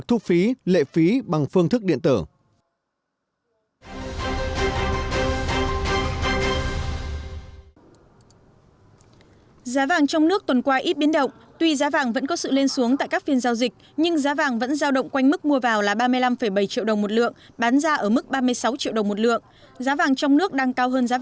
tại việt công banh tỷ giá giao dịch ở mức mua vào là hai mươi hai bốn trăm ba mươi đồng bán ra là hai mươi hai năm trăm ba mươi đồng một usd